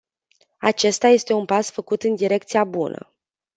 Acesta este un pas făcut în direcția bună.